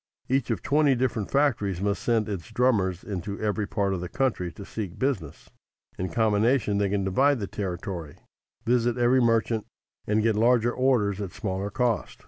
Each of twenty different factories must send its drummers into every part of the country to seek business. In combination they can divide the territory, visit every merchant and get larger orders at smaller cost.